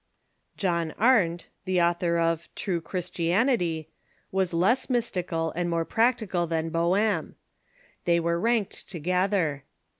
John Arndt, the author of " True Christianity," was less mystical and more practical than Boehme. They w^ere ranked together.